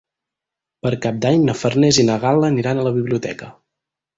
Per Cap d'Any na Farners i na Gal·la aniran a la biblioteca.